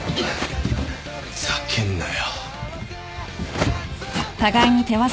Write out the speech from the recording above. ざけんなよ。